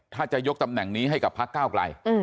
ถ้าจะยกตำแหน่งนี้ให้กับพักก้าวไกล